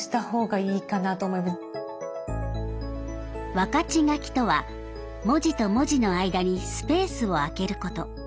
分かち書きとは文字と文字の間にスペースを空けること。